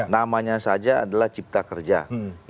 namanya saja adalah ciptaan